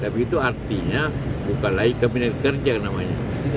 tapi itu artinya bukan lagi kabinet kerja namanya